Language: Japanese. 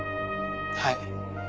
はい。